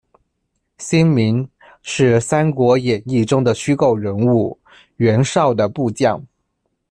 辛明，是《三国演义》中的虚构人物，袁绍的部将。